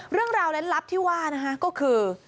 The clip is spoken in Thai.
เรื่องราวเล่นลับที่ว่านะฮะก็คือ